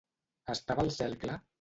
Estava el cel clar?